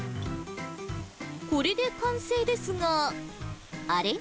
これで完成ですが、あれ？